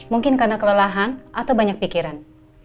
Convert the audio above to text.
mungkin karena kelelahan atau banyak pikiran